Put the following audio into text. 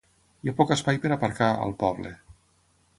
Hi ha poc espai per aparcar, al poble.